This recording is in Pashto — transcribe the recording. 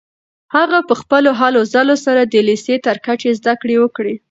هغه په خپلو هلو ځلو سره د لیسې تر کچې زده کړې وکړې.